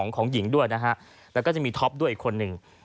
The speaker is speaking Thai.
ของหญิงด้วยนะฮะแล้วก็จะมีท็อปด้วยอีกคนนึง